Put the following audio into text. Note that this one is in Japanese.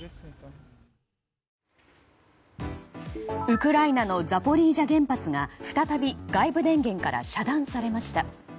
ウクライナのザポリージャ原発が再び外部電源から遮断されました。